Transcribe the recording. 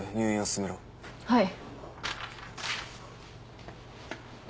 はい。